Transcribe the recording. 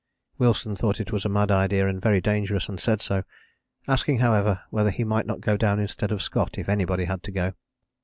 Wilson thought it was a mad idea and very dangerous, and said so, asking however whether he might not go down instead of Scott if anybody had to go.